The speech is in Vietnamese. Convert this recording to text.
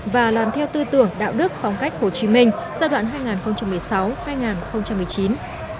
và làm theo tư tưởng đạo đức phong cách hồ chí minh giai đoạn hai nghìn một mươi sáu hai nghìn một mươi chín